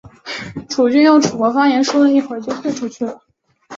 楚军用楚国方言说了一会就退出去了。